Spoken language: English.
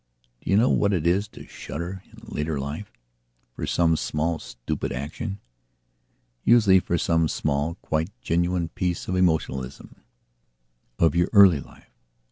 Do you know what it is to shudder, in later life, for some small, stupid actionusually for some small, quite genuine piece of emotionalismof your early life?